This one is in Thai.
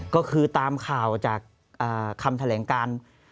ก็คือตามข่าวจากคำแถลงการ